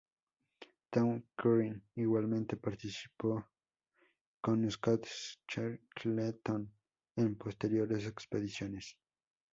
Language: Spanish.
Tom Crean igualmente participó con Scott y Shackleton en posteriores expediciones.